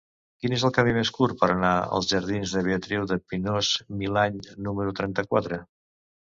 Quin és el camí més curt per anar als jardins de Beatriu de Pinós-Milany número trenta-quatre?